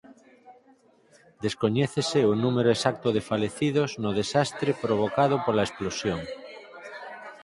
Descoñécese o número exacto de falecidos no desastre provocado pola explosión.